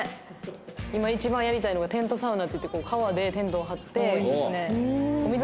今一番やりたいのがテントサウナっていって川でテントを張って。